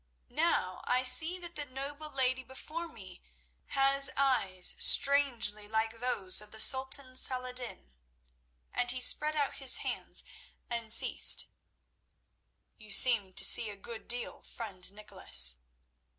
Now I see that the noble lady before me has eyes strangely like those of the Sultan Saladin." And he spread out his hands and ceased. "You seem to see a good deal, friend Nicholas."